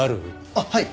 あっはい。